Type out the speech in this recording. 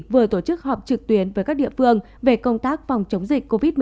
vừa tổ chức họp trực tuyến với các địa phương về công tác phòng chống dịch covid một mươi chín